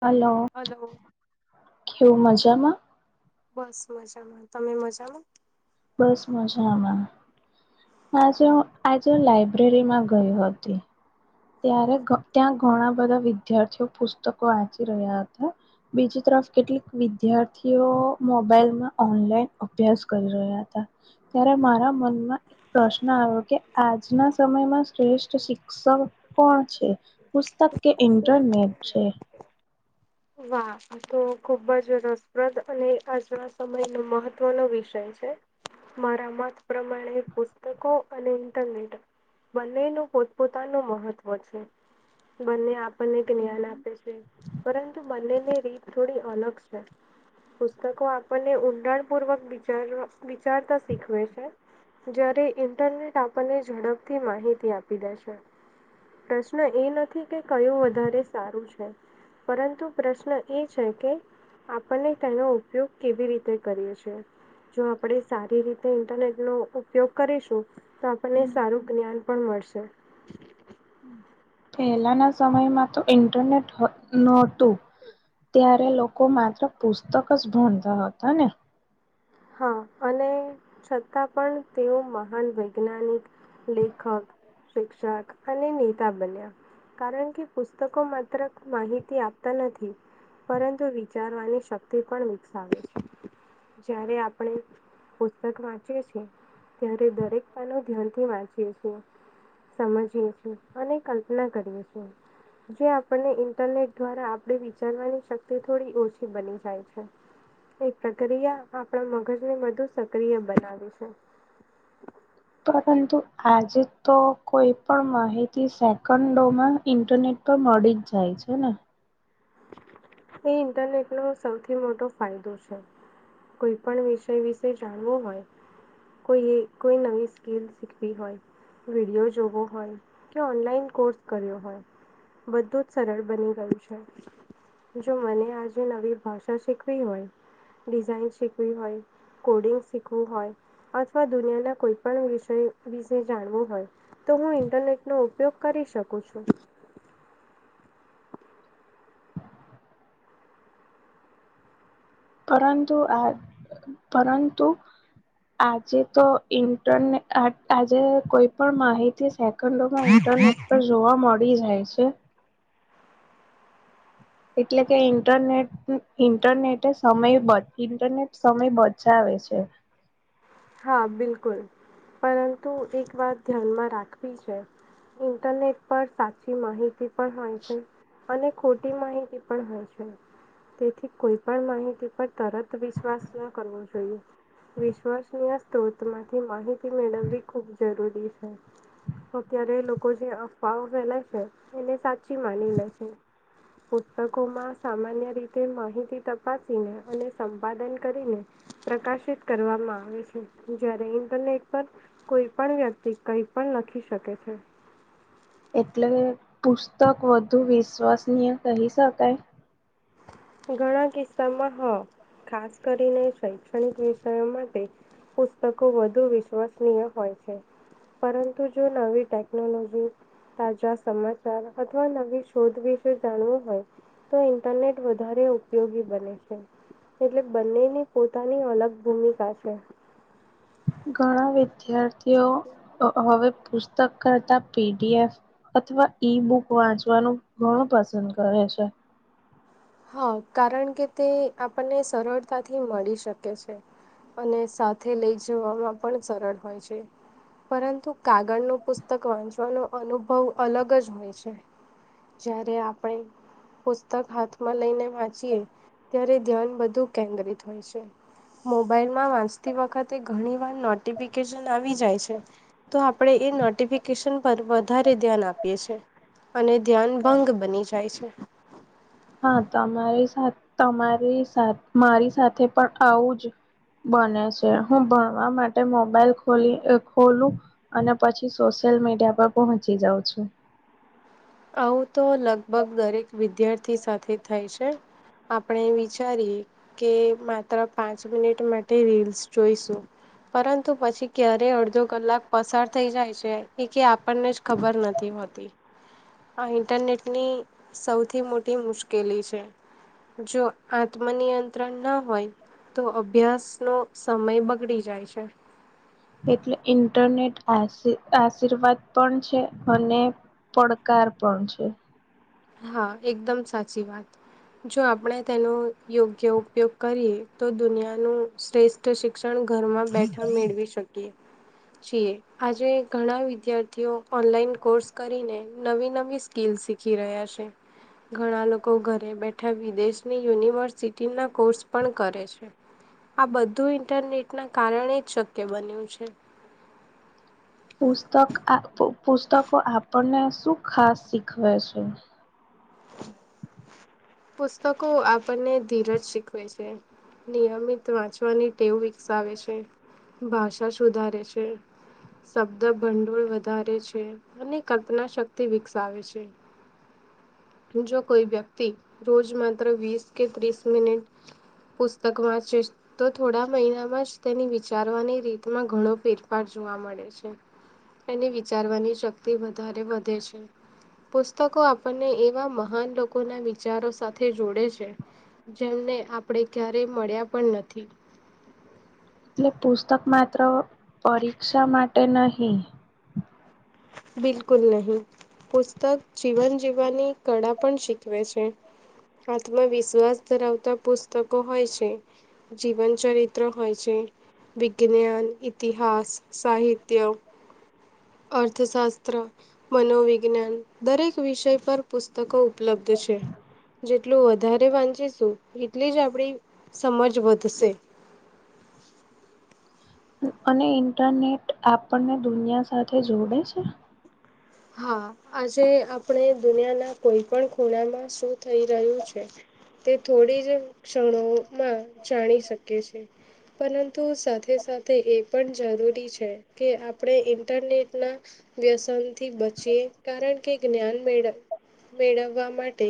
Hello. Hello. ઘવું મજામાં. બસ મજામાં તમે મજામાં. બસ મજામાં આજે આજે લાઈબ્રેરી માં ગઈ હતી. ત્યારે ત્યાં ઘણા બધા વિદ્યાર્થીઓ પુસ્તકો વાંચી રહ્યા હતા. બીજી તરફ કેટલીક વિદ્યાર્થીઓ મોબાઈલમાં ઓનલાઈન અભ્યાસ કરી રહ્યા હતા. ત્યારે મારા મનમાં. પ્રશ્ન આવ્યો કે આજના સમયમાં શ્રેષ્ઠ શિક્ષક કોણ છે પુસ્તક કે ઇન્ટરનેટ છે. વાહ! તો ખુબ જ રસપ્રદ અને આજના સમય નો મહત્વનો વિષય છે. મારા મત પ્રમાણે પુસ્તકો અને ઇન્ટરનેટ બંને નુ પોતપોતા નુ મહત્વ છે બંને આ બને જ્ઞાન આપે છે પરંતુ બને ની રીત થોડી અલગ છે. પુસ્તકો આપણને ઊંડાણપૂર્વક વિચારવા વિચારતા શીખવે છે જ્યારે ઇન્ટરનેટ આ આપણને ઝડપથી માહિતી આપી દેશે. પ્રશ્ન એ નથી કે કયો વધારે સારું છે પરંતુ પ્રશ્ન એ છે કે આપને તેનો ઉપયોગ કેવી રીતે કરીએ છેએ જો આપણે સારી રીતે ઇન્ટરનેટનો ઉપયોગ કરીશું. તો આપણને સારું જ્ઞાન પણ મળશે. પહેલાના સમયમાં તો ઇન્ટરનેટ નહોતું. ત્યારે લોકો માત્ર પુસ્તક જ ભણતા હતા ને હા અને છતાં પણ તેઓ મહાન વૈજ્ઞાનિક લેખક શિક્ષક અને નેતા બન્યા. કારણ કે પુસ્તકો માત્ર માહિતી આપતા નથી. પરંતુ વિચારવાની શક્તિ પણ વિકસાવે છે. જ્યારે આપણે. પુસ્તક વાંચી છેએ ત્યારે દરેક પાનું ધ્યાનથી વાંચીએ છીએ. સમજીએ છ અને કલ્પના કરીએ છીએ. જે આપણને ઇન્ટરનેટ દ્વારા આપણે વિચારવાની શક્તિ થોડી ઓછી બની જાય છે. એક પ્રક્રિયા આપણા મગજને બધુ સક્રિય બનાવી છે. પરંતુ આજે તો કોઈ પણ માહિતી સેકન્ડોમાં ઇન્ટરનેટ તો મળી જ જાય છે ને. એ ઇન્ટરનેટ નો સૌથી મોટો ફાયદો છે. કોઈ પણ વિષય વિશે જાણવો હોય કોઈએ કોઈ નવી સ્કીલ શીખવી હોય. વિડીયો જોવો હોય કે ઓનલાઈન કોર્સ કર્યો હોય. બધુ જ સરળ બની ગયું છે. જો મને આજે નવી ભાષા શીખવી હોય, ડિઝાઇન શીખવી હોય. કોડિંગ શીખવું હોય અથવા દુનિયાના કોઈ પણ વિષય વિશે જાણવું હોય. તો હું ઇન્ટરનેટનો ઉપયોગ કરી શકું છું. પરંતુ આ પરંતુ આજે તો ઇન્ટરને આજે કોઈ પણ માહિતી સે કડો માં ઇન્ટરનેટ પર જોવા મળી જાય છે. એટલે કે ઇન્ટરનેટ ઇન્ટરનેટે સમય બ ઇન્ટરનેટ સમય બચાવે છે. હા, બિલકુલ, પરંતુ એક વાત ધ્યાનમાં રાખવી છે ઇન્ટરનેટ પર સાચી માહિતી પણ હોય છે. અને ખોટી માહિતી પણ હોય છે. તેથી કોઈ પણ માહિતી પર તરત વિશ્વાસ ન કરવો જોઈએ. વિશ્વાસ [unintelligible] સ્ત્રોતમાંથી માહિતી મેળવવી ખૂબ જરૂરી છે. અત્યારે લોકો જે અફવાઓ ફેલાય છે, એને સાચી માની લે છે. પુસ્તકો માં સામાન્ય રીતે માહિતી તપાસીને, અને સંપાદન કરીને પ્રકાશિત કરવામાં આવે છે. જયારે ઇન્ટરનેટ પર કોઈ પણ વ્યક્તિ કંઈ પણ લખી શકે છે. એટલે પુસ્તક વધુ વિશ્વસનીય કહી શકાય? ઘણા કિસ્સામાં હા, ખાસ કરીને શૈક્ષણિક વિષયો માટે પુસ્તકો વધુ વિશ્વસનીય હોય છે. પરંતુ જો નવી ટેકનોલોજી તાજા સમાચાર, અથવા નવી શોધ વિશે જાણવું હોય તય ઇન્ટરનેટ વધારે ઉપયોગી બને છે. એટલે બંનેની પોતાની અલગ ભૂમિકા છે. ઘણા વિદ્યાર્થીઓ હ હવે પુસ્તક કરતા પી ડી એફ અથવા ઈ બુક વાંચવાનું ઘણું પસંદ કરે છે. હા, કારણ કે તે આપણને સરળતાથી મળી શકે છે. અને સાથે લઈ જવામાં પણ સરળ હોય છે. પરંતુ કાગળ નું પુસ્તક વાંચવાનો અનુભવ અલગ જ હોય છે. જયારે આપણે પુસ્તક હાથ માં લઈને વાંચીએ ત્યારે ધ્યાન બધું કેન્દ્રિત હોય છે. મોબાઈલમાં વાંચતી વખતે ઘણી વાર નોટિફિકેશન આવી જાય છે. તો આપણે એ નોટિફિકેશન પર વધારે ધ્યાન આપીએ છે. અને ધ્યાન ભંગ બની જાય છે. હા, તમારી સા, તમારી સાથ, મારી સાથે પણ આવું જ બને છે. હું ભણવા માટે મોબાઈલ ખોલી અહ ખોલું અને પછી સોશિયલ મીડિયા પર પહોંચી જાઉં છું. આવું તો લગભગ દરેક વિદ્યાર્થી સાથે થાય છે. આપણે વિચારીએ કે માત્ર પાંચ મિનિટ માટે રીલ્સ જોઈશું. પરંતુ પછી ક્યારે અડધો કલાક પસાર થઈ જાય છે, એ કે આપ પણને જ ખબર નથી હોતી. આ ઇન્ટરનેટની સૌથી મોટી મુશ્કેલી છે. જો આત્મ નિયંત્રણ ના હોય તો અભ્યાસ નો સમય બગડી જાય છે. એટલે ઇન્ટરનેટ આશીર આશીર્વાદ પણ છે, અને પડકાર પણ છે. હા, એકદમ સાચી વાત. જો આપણે તેનો યોગ્ય ઉપયોગ કરીએ, તો દુનિયાનું શ્રેષ્ ઠ શિક્ષણ ઘરમાં બેઠા મેળવી શકીએ છીએ. આજે ઘણા વિદ્યાર્થીઓ ઓનલાઈન કોર્સ કરીને નવી-નવી સ્કીલ શીખી રહ્યા છે. ઘણા લોકો ઘરે બેઠા વિદેશની યુનિવર્સિટી ના કોર્સ પણ કરે છે. આ બધું ઇન્ટરનેટના કારણે જ શક્ય બન્યું છે. પુસ્તક આ પુ પુસ્તકો આપણને શું ખાસ શીખવે છે? પુસ્તકો આપણને ધીરજ શીખવે છે. નિયમિત વાંચવાની ટેવ વિકસાવે છે, ભાષા સુધારે છે શબ્દ ભંડોળ વધારે છે, અને કલ્પના શક્તિ વિકસાવે છે. જો કોઈ વ્યક્તિ, રોજ માત્ર વીસ કે ત્રીસ મિનિટ પુસ્તક વાંચે છે, તો થોડા મહિનામાં જ તેની વિચારવાની રીતમાં ઘણો ફેરફાર જોવા મળે છે. એને વિચારવાની શક્તિ વધારે વધે છે. પુસ્તકો આપણને એ ટલા મહાન લોકોના વિચારો સાથે જોડે છે જેમને આપણેે ક્યારેય મળ્યા પણ નથી. એટલે પુસ્તક માત્ર પરીક્ષા માટે નહીં? બિલકુલ નહીં. પુસ્તક, જીવન જીવવાની કળા પણ શીખવે છે. આત્મવિશ્વાસ ધરાવતા પુસ્તકો હોય છે. જીવન ચરિત્ર હોય છે, વિજ્ઞાન, ઇતિહાસ, સાહિત્ય અર્થશાસ્ત્ર, મનોવિજ્ઞાન, દરેક વિષય પર પુસ્તકો ઉપલબ્ધ છે. જેટલું વધારે વાંચીશું, એટલી જ આપણી સમજ વધશે. અને ઇન્ટરનેટ આપણને દુનિયા સાથે જોડે છે? હા, આજે આપણે દુનિયાના કોઈ પણ ખૂણામાં શું થઈ રહ્યું છે તે થોડી જ ક્ષણોમાં જાણી શકીએ છે. પરંતુ સાથે સાથે એ પણ જરૂરી છે કે આપણે ઇન્ટરનેટના વ્યસન થી બચીએ, કારણ કે જ્ઞાન મેળ મેળવવા માટે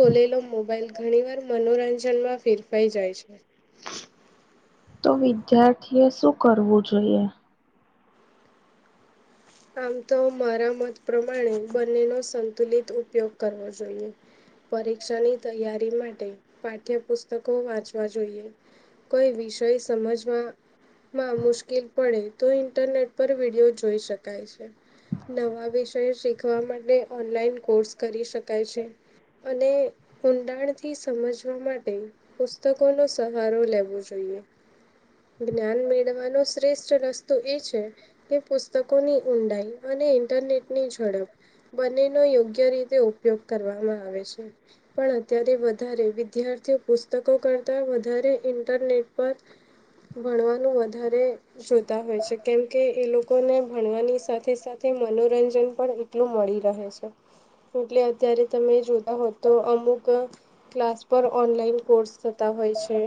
ખોલેલો મોબાઈલ, ઘણી વાર મનોરંજનમાં ફેરફાઈ જાય છે. તો વિદ્યાર્થી એ શું કરવું જોઈએ? આમ તો, મારા મત પ્રમાણે બંનેનો સંતુલિત ઉપયોગ કરવો જોઈએ. પરીક્ષાની તૈયારી માટે, પાઠ્યપુસ્તકો વાંચવા જોઈએ. કોઈ વિષય સમજમાં માં મુશ્કેલ પડે, તો ઇન્ટરનેટ પર વિડીયો જોઈ શ કાય છે. નવા વિષય શીખવા માટે ઓનલાઈન કોર્સ કરી શકાય છે. અને, ઊંડાણથી સમજવા માટે પુસ્તકોનો સહારો લેવો જોઈએ. જ્ઞાન મેળવાનો શ્રેષ્ઠ રસ્તો એ છે, કે પુસ્ત કોની ઊંડાઈ અને ઇન્ટરનેટની ઝડપ બંનેનો યોગ્ય રીતે ઉપયોગ કરવામાં આવે છે. પણ અત્યારે, વધારે વિદ્યાર્થીઓ પુસ્તકો કરતા વધારે ઇન્ટરનેટ પર ભણવાનું વધારે જોતા હોય છે, કેમકે એ લોકોને ભણવાની સાથે સાથે મનોરંજન પણ એટલું મળી રહે છે. એટલે અત્યારે તમે જોતા હો તો, અમુક ક્લાસ પર ઓનલાઈન કોર્સ થતા હોય છે,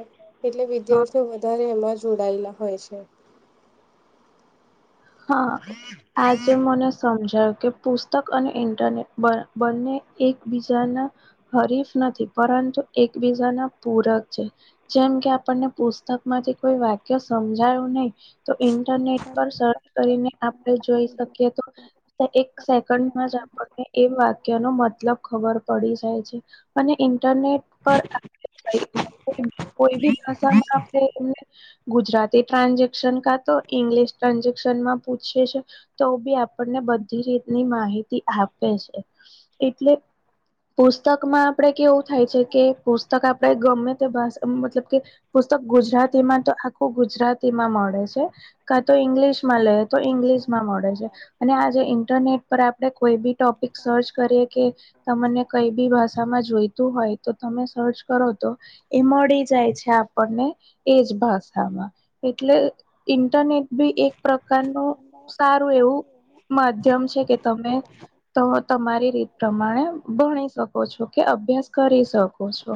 એટલે હ વિદ્યાર્થીઓ વધારે એમાં જોડાયેલા હોય છે. હા, આજે મને સમજાયું, કે પુસ્તક અને ઇન્ટરનેટ બ બંને એકબીજાના હરીફ નથી, પરંતુ એકબીજા ના પૂરક છે. જેમ કે, આપણને પુસ્તકમાંથી કોઈ વાક્ય સમજાયું નહીં, તો ઇન્ટરનેટ પર સર્ચ કરીને આપડે જોઈ શકીએ તો કે એક સેકન્ડમાં જ આપણને એ વાક્યનો મતલબ ખબર પડી જાય છે. અને ઇન્ટરનેટ પર કોઈ બી ભાષામાં આપણે એમને ગુજરાતી ટ્રાન્જેક્શન, કાં તો ઇંગ્લિશ ટ્રાન્જેકશન ઓપ્શનમાં પૂછીએ છે, તો બી આપણને બધી રીતની માહિતી આપે છે. એટલે હ પુસ્તકમાં આપણેે કેવું થાય છે કે પુસ્તક આપણે ગમે તે ભાષા મતલબ કે પુસ્તક ગુજરાતીમાં તો આખું ગુજરાતી માં મળે છે, કા તો ઈંગ્લિશ માં મળે આજે ઇન્ટરનેટ પર આપ કોઈ બી ટોપિક સર્ચ કરી કે તને કઈ બી ભાષામાં જોઈતું હોય તો તમે સર્ચ કરો તો એ મળી જાય છે આપણને એજ ભાષામાં એટલે ઇન્ટરનેટ બી એક પ્રકારનું સારું એવું માધ્યમ છે કે તમે તો તમારી રીત પ્રમાણે ભણી શકો છો કે અભ્યાસ કરી શકો છો.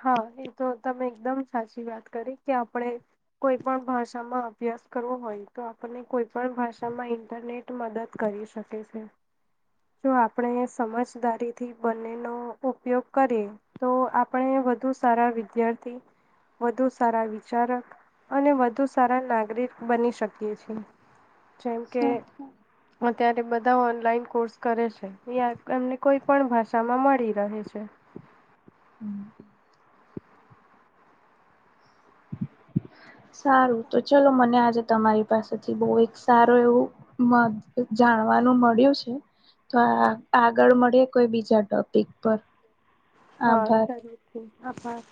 હા એ તો તમે એકદમ સાચી વાત કરી કે આપણે કોઈ પણ ભાષામાં અભ્યાસ કરવો હોય તો આપણને કોઈ પણ ભાષામાં ઇન્ટરનેટ મદદ કરી શકે છે, તો આપણે સમજદારીથી બનેનો ઉપયોગ કરીએ તો આપણે વધુ સારા વિદ્યાર્થી વધુ સારા વિચારક અને વધુ સારા નાગરિક બની શકીએ છીએ. જેમ કે અત્યારે બધા ઓનલાઈન કોર્સ કરે છે એમને કોઈ પણ ભાષામાં મળી રહેે છે. [unintelligible] સારું તો ચલો મને આજે તમારી પાસેથી બહુ એક સારું એવું મ જાણવાનું મળ્યું છે, તો આ આગળ મળે કોઈ બીજા ટોપિક પર હા આભાર. સ છે આભાર.